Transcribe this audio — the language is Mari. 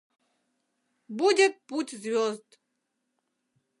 Будет путь звёзд...